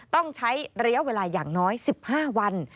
ต้องใช้ระยะเวลาอย่างน้อย๑๕วัน